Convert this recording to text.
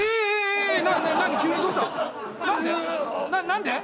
何で？